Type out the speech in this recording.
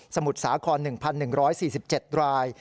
มุทรสาคร๑๑๔๗ราย